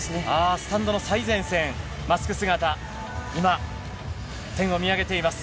スタンドの最前線、マスク姿、今、天を見上げています。